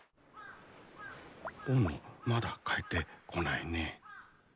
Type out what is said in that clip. ぼのまだ帰ってこないね。